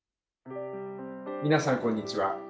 皆さん、こんにちは。